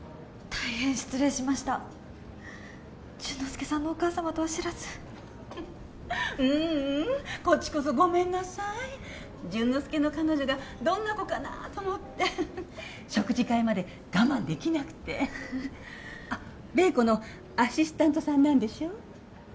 大変失礼しました潤之介さんのお母様とは知らずううんこっちこそごめんなさい潤之介の彼女がどんな子かなと思って食事会まで我慢できなくてあっ麗子のアシスタントさんなんでしょ？